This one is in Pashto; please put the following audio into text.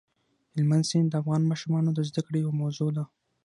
هلمند سیند د افغان ماشومانو د زده کړې یوه موضوع ده.